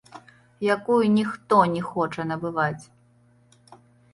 Якую ніхто не хоча набываць.